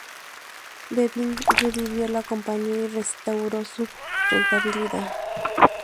Bevin revivió la compañía y restauró su rentabilidad.